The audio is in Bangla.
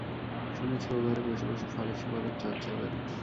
শুনেছি ও ঘরে বসে বসে ফরাসী পড়ার চর্চা করে।